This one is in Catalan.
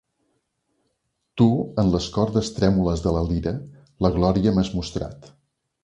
Tu, en les cordes trèmules de la lira, la glòria m'has mostrat.